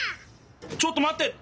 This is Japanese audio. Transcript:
ちょっとまって。